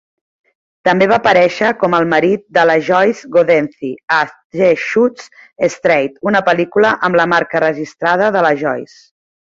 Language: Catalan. També va aparèixer com el marit de la Joyce Godenzi a "She Shoots Straight", una pel·lícula amb la marca registrada de la Joyce.